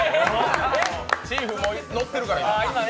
チーフ、のってるから。